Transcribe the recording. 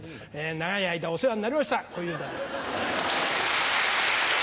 長い間お世話になりました小遊三です。